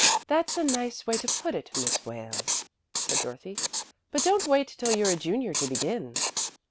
"That's a nice way to put it, Miss Wales," said Dorothy. "But don't wait till you're a junior to begin."